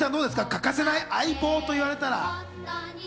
欠かせない相棒と言われたら？